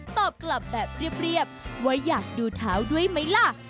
ตอบกลับแบบเรียบว่าอยากดูเท้าด้วยไหมล่ะ